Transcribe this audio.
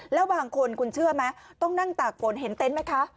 แล้วบางคนคุณเชื่อไหมต้องนั่งตากฝนเห็นเต็นต์ไหมคะ